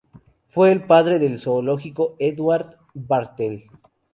Fue el padre del zoólogo Edward Bartlett.